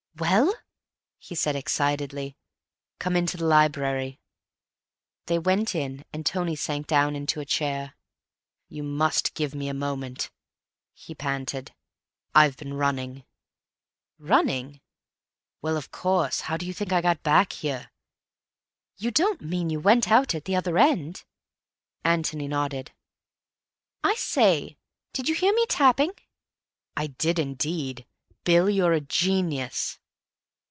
"Well?" he said excitedly. "Come into the library." They went in, and Tony sank down into a chair. "You must give me a moment," he panted. "I've been running." "Running?" "Well, of course. How do you think I got back here?" "You don't mean you went out at the other end?" Antony nodded. "I say, did you hear me tapping?" "I did, indeed. Bill, you're a genius."